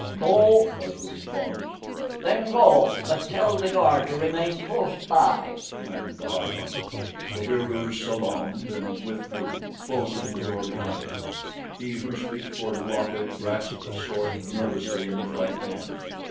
"No," was the response. "Then go; but tell the guard to remain close by," commanded the high one. The Wieroos salaamed and withdrew, closing the door behind them. He Who Speaks for Luata grasped a sword nervously in his right hand.